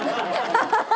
ハハハハ！